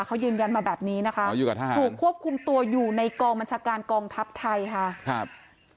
เขายืนยันมาแบบนี้นะคะอ๋ออยู่กับทหารถูกควบคุมตัวอยู่ในกรมชาการกองทัพไทยค่ะครับ